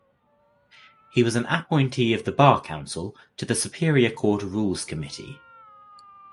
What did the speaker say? He was an appointee of the Bar Council to the Superior Court Rules Committee.